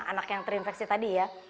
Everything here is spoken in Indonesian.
anak yang terinfeksi tadi ya